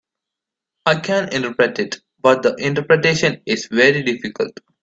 I can interpret it, but the interpretation is very difficult.